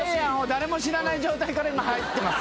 誰も知らない状態から今入ってます。